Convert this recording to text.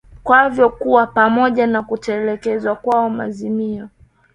kavyo kuwa pamoja na kutekelezwa kwa maazimio